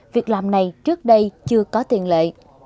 việc làm này trước đây chưa có tiền lệ